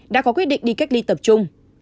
đã có quyết định đi cách ly tập trung